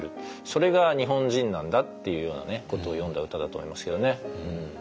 それが日本人なんだっていうようなことを詠んだ歌だと思いますけどね。